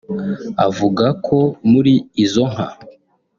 Avuga ko muri izo nka